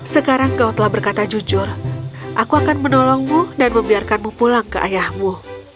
sekarang kau telah berkata jujur aku akan menolongmu dan membiarkanmu pulang ke ayahmu